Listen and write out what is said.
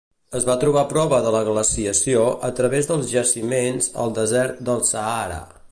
Es va trobar prova de la glaciació a través dels jaciments al desert del Sàhara.